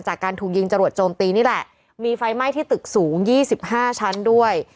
จากการถูกยิงจรวดโจมตีนี่แหละมีไฟไหม้ที่ตึกสูง๒๕ชั้นด้วย